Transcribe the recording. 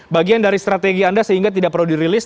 bagian dari strategi anda sehingga tidak perlu dirilis